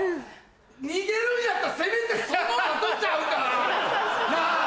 逃げるんやったらせめてその後ちゃうか？なぁ？